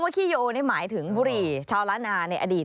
ขี้โยหมายถึงบุรีชาวละนาในอดีต